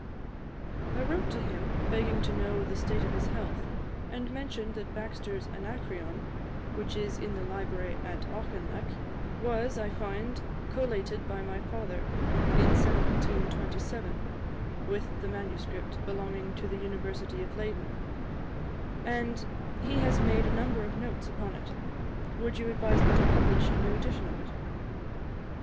I wrote to him, begging to know the state of his health, and mentioned that Baxter's Anacreon, 'which is in the library at Auchinleck, was, I find, collated by my father in 1727, with the MS. belonging to the University of Leyden, and he has made a number of Notes upon it. Would you advise me to publish a new edition of it?'